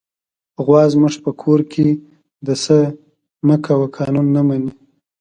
غوا زموږ په کور کې د "څه مه کوه" قانون نه مني.